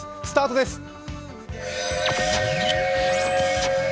スタートです！